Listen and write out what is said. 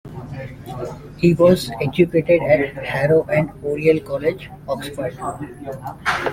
He was educated at Harrow and Oriel College, Oxford.